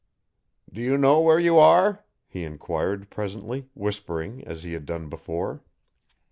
'Do you know where you are?' he enquired presently, whispering as he had done before.